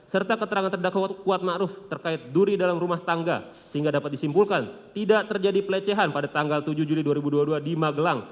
serta keterangan terdakwa kuat ⁇ maruf ⁇ terkait duri dalam rumah tangga sehingga dapat disimpulkan tidak terjadi pelecehan pada tanggal tujuh juli dua ribu dua puluh dua di magelang